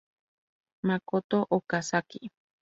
Makoto Okazaki